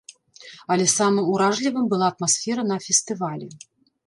Але самым уражлівым была атмасфера на фестывалі.